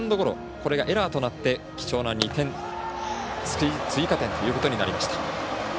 これがエラーとなって２点追加点ということになりました。